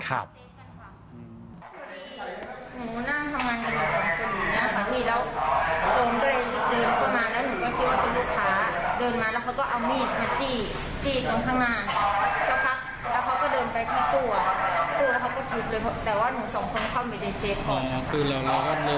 อยู่บทเตยงคาดิสกันค่ะ